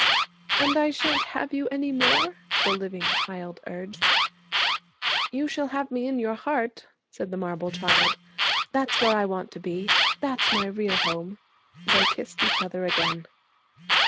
'And I shan't have you any more?' the living child urged. 'You'll have me in your heart,' said the marble child 'that's where I want to be. That's my real home.' They kissed each other again.